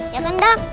ya kan dam